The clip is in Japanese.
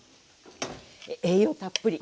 栄養たっぷり。